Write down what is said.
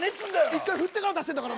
一回振ってから出してんだから。